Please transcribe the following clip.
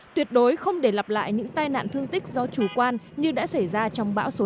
tuyệt đối không để lặp lại những tai nạn thương tích do chủ quan như đã xảy ra trong bão số sáu